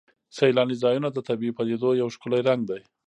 سیلاني ځایونه د طبیعي پدیدو یو ښکلی رنګ دی.